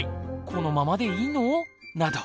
このままでいいの⁉など。